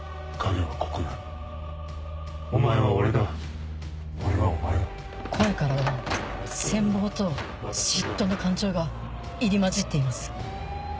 お前は俺だ俺はお前だ声からは羨望と嫉妬の感情が入り交じっています。